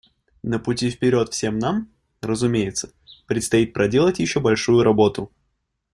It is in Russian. На пути вперед всем нам, разумеется, предстоит проделать еще большую работу.